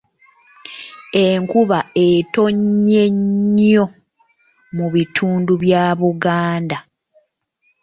Enkuba etonnye nnyo mu bitundu bya Buganda.